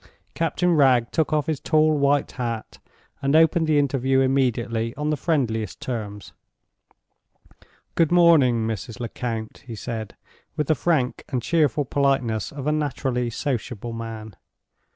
Captain Wragge took off his tall white hat and opened the interview immediately on the friendliest terms. "Good morning, Mrs. Lecount," he said, with the frank and cheerful politeness of a naturally sociable man.